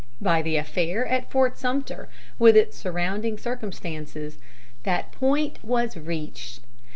By the affair at Fort Sumter, with its surrounding circumstances, that point was reached.